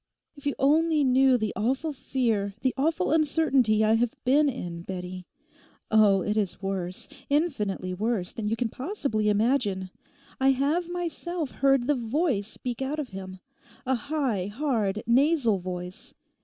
'If you only knew the awful fear, the awful uncertainty I have been in, Bettie! Oh, it is worse, infinitely worse, than you can possibly imagine. I have myself heard the Voice speak out of him—a high, hard, nasal voice.